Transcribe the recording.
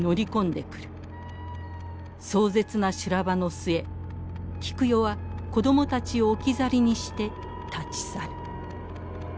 壮絶な修羅場の末菊代は子供たちを置き去りにして立ち去る。